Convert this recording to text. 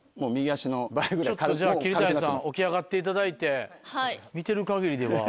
ちょっとじゃあ桐谷さん起き上がっていただいて。